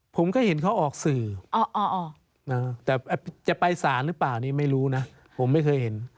ผมก็เห็นเขาออกสื่อแต่จะไปสารหรือเปล่านี่ไม่รู้นะผมไม่เคยเห็น